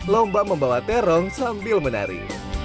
lomba membawa terong sambil menari